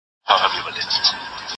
زړه چي په توبو پسي توبه کوي